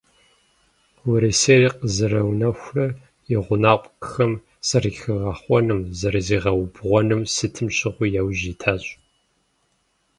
Урысейр къызэрыунэхурэ и гъунапкъэхэм зэрыхигъэхъуным, зэрызригъэубгъуным сытым щыгъуи яужь итащ.